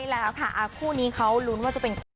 ตามภาษาคนโสดอะ